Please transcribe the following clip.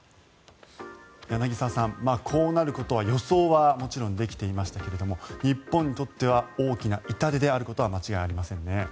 柳澤さん、こうなることはもちろん予想はできてはいましたけれども日本にとっては大きな痛手であることは間違いありませんね。